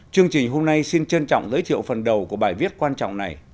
chương trình hôm nay xin trân trọng giới thiệu phần đầu của bài viết quan trọng này